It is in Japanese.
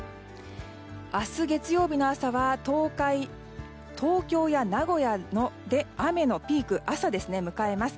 明日、月曜日の朝は東京や名古屋で雨のピークを朝、迎えます。